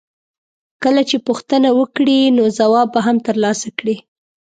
کله چې پوښتنه وکړې نو ځواب به هم ترلاسه کړې.